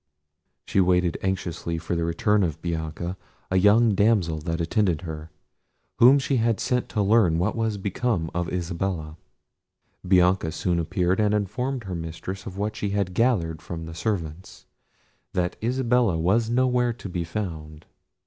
She waited anxiously for the return of Bianca, a young damsel that attended her, whom she had sent to learn what was become of Isabella. Bianca soon appeared, and informed her mistress of what she had gathered from the servants, that Isabella was nowhere to be found.